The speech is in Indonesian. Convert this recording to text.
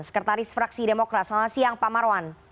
sekretaris fraksi demokrat selamat siang pak marwan